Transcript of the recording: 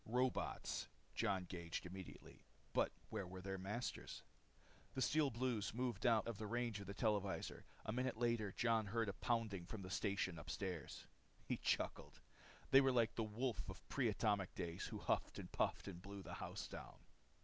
Robots! Jon gauged immediately. But where were their masters? The Steel Blues moved out of the range of the televisor. A minute later Jon heard a pounding from the station upstairs. He chuckled. They were like the wolf of pre atomic days who huffed and puffed to blow the house down.